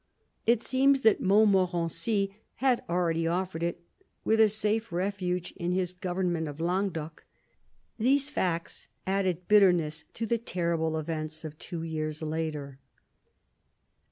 It seems that Montmorency had already offered it, with a safe refuge in his government of Languedoc. These facts added bitterness to the terrible events of two years later.